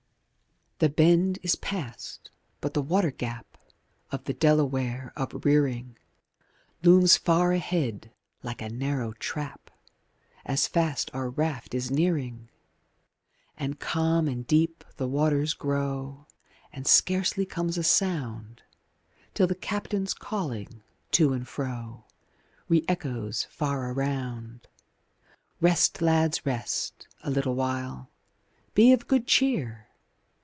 IV The Bend is past, but the Water gap Of the Delaware up rearing, Looms far ahead like a narrow trap As fast our raft is nearing, And calm and deep the waters grow, And scarcely comes a sound Till the Captain's calling, to and fro Re echoes far around: Rest, lads, rest! a little while! Be of good cheer!